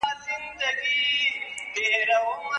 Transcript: د هر وګړي زړه ټکور وو اوس به وي او کنه